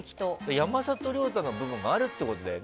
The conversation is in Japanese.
山里亮太の部分があるってことだよね。